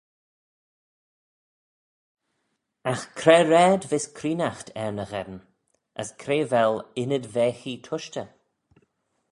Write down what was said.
Agh cre raad vees creenaght er ny gheddyn? as cre vel ynnyd-vaghee tushtey?